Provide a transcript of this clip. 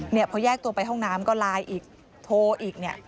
พอแยกตัวไปห้องน้ำก็ไลน์อีกโทรอีกเนี่ย